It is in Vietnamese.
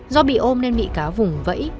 do bị ôm nên bị cáo vùng vẫy